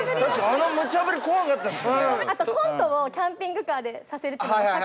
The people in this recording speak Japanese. あとコントをキャンピングカーでさせるっていうの。